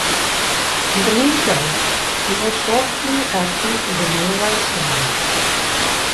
In the meantime, he was shortly active for the New Rights campaign.